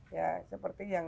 ya seperti yang